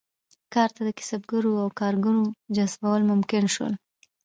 کار ته د کسبګرو او کارګرو جذبول ممکن شول.